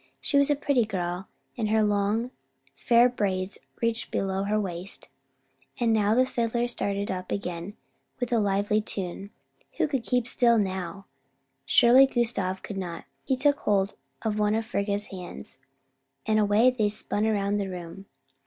She was a pretty girl, and her long, fair braids reached way below her waist. And now the fiddler started up again with a lively tune. Who could keep still now? Surely Gustav could not. He took hold of one of Frigga's hands, and away they spun around the room.